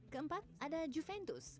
keempat ada juventus